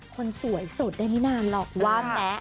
คนสวยสดได้ไม่นานหรอกว่าแม้